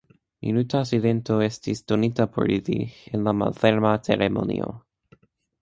Minuta silento estis donita por ili en la malferma ceremonio.